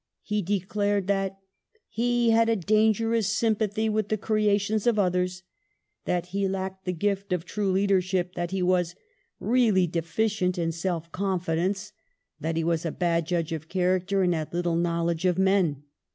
He declared that " he had a dangerous sympathy with the creations of others," that he lacked the gift of true leadership ; that he was " really deficient in self confidence ; that he was a bad judge of character and had little knowledge of men